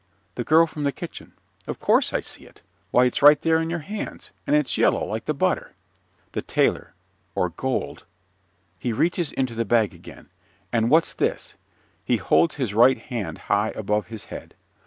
THE GIRL FROM THE KITCHEN Of course I see it. Why, it's right there in your hands. And it's yellow like the butter. THE TAILOR Or gold. (He reaches into the bag again.) And what's this? (_He holds his right hand high above his head.